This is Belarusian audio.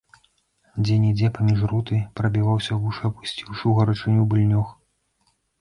Дзе-нідзе, паміж руты, прабіваўся, вушы апусціўшы ў гарачыню, быльнёг.